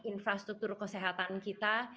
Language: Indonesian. infrastruktur kesehatan kita